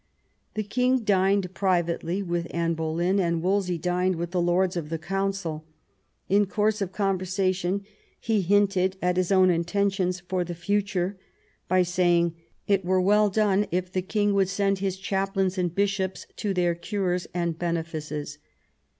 The king dined privately with Anne Boleyn, and Wolsey dined with the lords of the Council. In course of conversation he hinted at his own intentions for the future by saying, "It were well done if the king would send his chaplains and bishops to their cures and benefices."